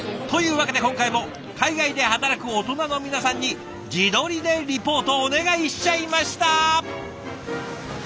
わけで今回も海外で働くオトナの皆さんに自撮りでリポートお願いしちゃいました。